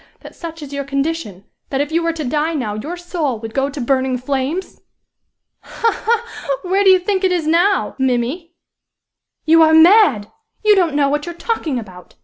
that such is your condition, that if you were to die now your soul would go to burning flames?" "Ha! ha! Where do you think it is now, Mimmy?" "You are mad! You don't know what you're talking about!